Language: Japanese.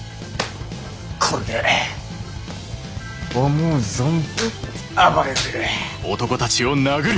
これで思う存分暴れられる。